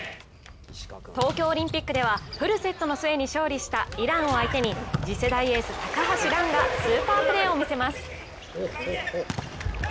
東京オリンピックではフルセットの末に勝利したイランを相手に次世代エース・高橋藍がスーパープレーを見せます。